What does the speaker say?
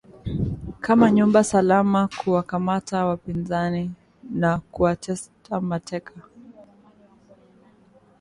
kama nyumba salama kuwakamata wapinzani na kuwatesa mateka